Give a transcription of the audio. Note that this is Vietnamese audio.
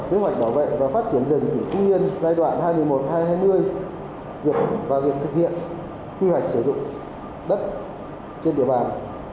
kế hoạch bảo vệ và phát triển rừng của cung yên giai đoạn hai mươi một hai nghìn hai mươi và việc thực hiện quy hoạch sử dụng đất trên địa bàn